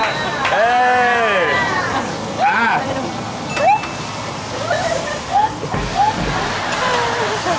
ขอบคุณครับ